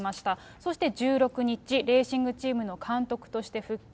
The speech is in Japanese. そして１６日、レーシングチームの監督として復帰。